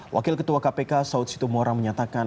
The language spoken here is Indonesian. wakil ketua kpk saud situ mora menyatakan